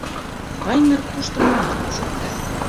Паймыр куштымо мурым шокта.